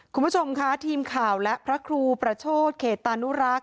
คุณผู้ชมค่ะทีมข่าวและพระครูประโชธเขตตานุรักษ